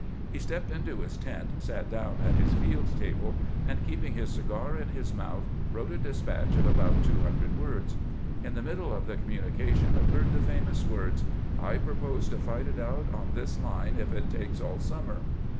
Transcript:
He stepped into his tent, sat down at his field table, and, keeping his cigar in his mouth, wrote a despatch of about two hundred words. In the middle of the communi cation occurred the famous words, "J propose to fight it out on this line if it takes all summer.